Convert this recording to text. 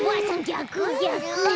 ぎゃくぎゃく！